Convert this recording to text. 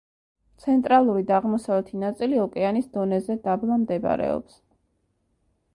ცენტრალური და აღმოსავლეთი ნაწილი ოკეანის დონეზე დაბლა მდებარეობს.